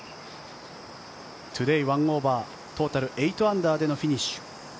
トゥデー１オーバートータル８アンダーでのフィニッシュ。